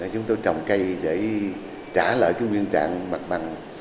chúng tôi trồng cây để trả lợi cho nguyên trạng mặt bằng